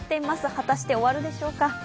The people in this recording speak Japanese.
果たして終わるでしょうか。